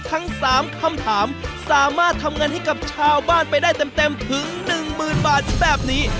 ทั้งสามคำถามสามารถทำงานให้กับชาวบ้านไปได้เต็มเต็มถึงหนึ่งหมื่นบาทแบบนี้